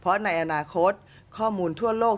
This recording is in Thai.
เพราะในอนาคตข้อมูลทั่วโลก